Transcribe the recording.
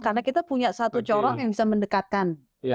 karena kita punya satu corak yang bisa mendekatkan